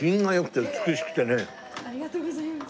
ありがとうございます。